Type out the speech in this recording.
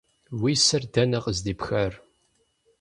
Уи сэр дэнэ къыздипхар?